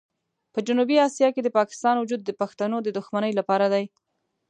په جنوبي اسیا کې د پاکستان وجود د پښتنو د دښمنۍ لپاره دی.